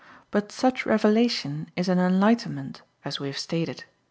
But such revelation is an enlightenment as we have stated (Q.